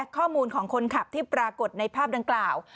ข้อมูลของคนขับที่ปรากฏในภาพดังกล่าว